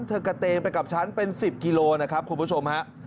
กระเตงไปกับฉันเป็น๑๐กิโลนะครับคุณผู้ชมฮะ